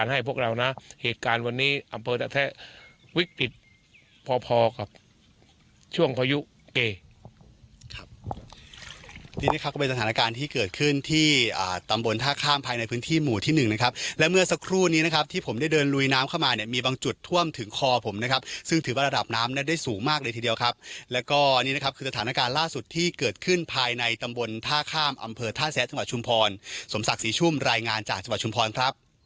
ช่วงประยุกต์เกคับนี้นะครับก็เป็นสถานการณ์ที่เกิดขึ้นที่ตำบลท่าข้ามภายในพื้นที่หมู่ที่๑นะครับและเมื่อสักครู่นี้นะครับที่ผมได้เดินลุยน้ำเข้ามาเนี่ยมีบางจุดท่วมถึงคอผมนะครับซึ่งถือว่าระดับน้ำได้สูงมากเลยทีเดียวครับแล้วก็นี้นะครับคือสถานการณ์ล่าสุดที่เกิดขึ้นภายในตำบลท่าข้